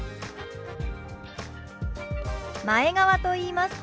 前川と言います。